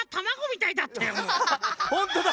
ほんとだ！